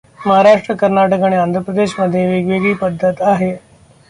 महाराष्ट्, कर्नाटक आणि आंध्रप्रदेश मध्ये वेगवेगळी पद्धत आहे.